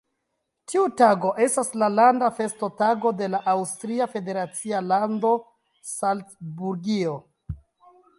Tiu tago estas la landa festotago de la aŭstria federacia lando Salcburgio.